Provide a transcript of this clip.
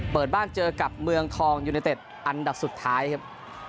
เปิดบ้านเจอกับเมืองทองยูเนเต็ดอันดับสุดท้ายครับ